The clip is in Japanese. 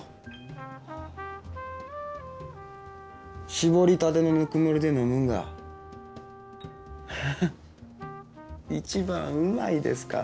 搾りたてのぬくもりで飲むんがハハッ一番うまいですから。